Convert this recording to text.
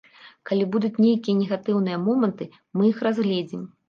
Калі будуць нейкія негатыўныя моманты мы іх разгледзім.